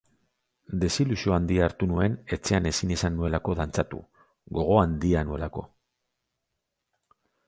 Desilusio handia hartu nuen etxean ezin izan nuelako dantzatu, gogo handia nuelako.